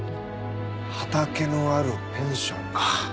「畑のあるペンション」か。